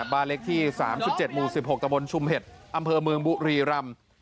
บ้านเล็กที่๓๗หมู่๑๖ตะบนชุมเห็ดอำเภอเมืองบุรีรำ